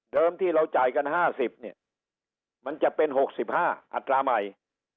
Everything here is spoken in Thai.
เดิมที่เราจ่ายกันห้าสิบเนี่ยมันจะเป็นหกสิบห้าอัตราใหม่